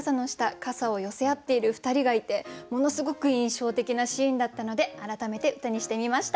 肩を寄せ合っている２人がいてものすごく印象的なシーンだったので改めて歌にしてみました。